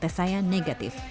hasil tes saya negatif